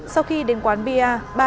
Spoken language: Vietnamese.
sau khi đến quán pa